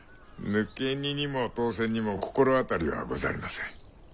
抜荷にも唐船にも心当たりはございません。